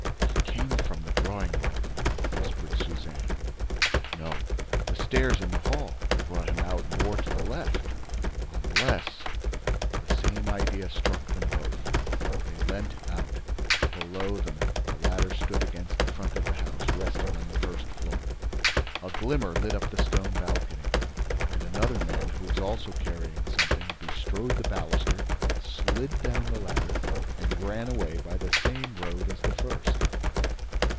"He came from the drawing room," whispered Suzanne. "No, the stairs and the hall would have brought him out more to the left—Unless—" The same idea struck them both. They leant out. Below them, a ladder stood against the front of the house, resting on the first floor. A glimmer lit up the stone balcony. And another man, who was also carrying something, bestrode the baluster, slid down the ladder and ran away by the same road as the first.